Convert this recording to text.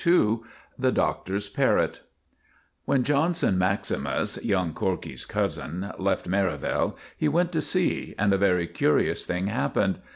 II* *THE DOCTOR'S PARROT* When Johnson maximus, young Corkey's cousin, left Merivale, he went to sea, and a very curious thing happened.